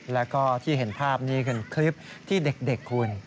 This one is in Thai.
แล้วก็ที่เห็นภาพนี้เป็นคลิปที่เด็กคุณ